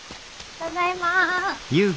ただいま。